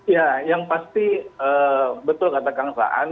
ya yang pasti betul kata kansahan